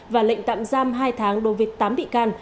và lệnh tạm giam hai tháng đối với tám bị can